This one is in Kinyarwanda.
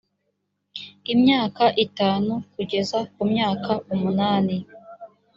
imyaka itanu kugeza ku myaka umunani